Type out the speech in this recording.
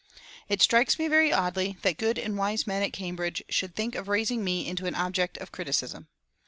"It strikes me very oddly that good and wise men at Cambridge should think of raising me into an object of criticism.